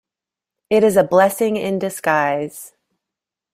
It is a blessing in disguise.